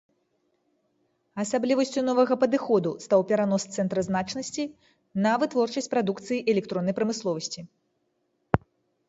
Асаблівасцю новага падыходу стаў перанос цэнтра значнасці на вытворчасць прадукцыі электроннай прамысловасці.